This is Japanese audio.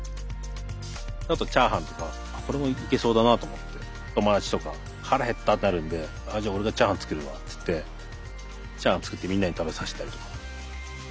あとチャーハンとかこれもいけそうだなと思って友達とか腹減ったってなるんでじゃあ俺がチャーハン作るわっつってチャーハン作ってみんなに食べさせたりとか。